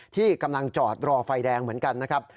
ที่กำลังจอดรอไฟแดงเหมือนกันนะครับ